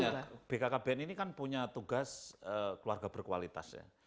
ya bkkbn ini kan punya tugas keluarga berkualitas ya